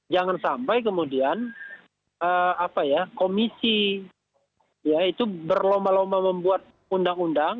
jangan sampai kemudian komisi ya itu berlomba lomba membuat undang undang